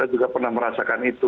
saya juga pernah merasakan itu